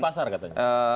operasi pasar katanya